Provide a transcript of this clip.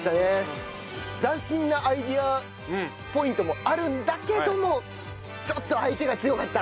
斬新なアイデアポイントもあるんだけどもちょっと相手が強かった。